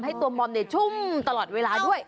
ให้ตัวมอมชุ่มตลอดเวลาด้วย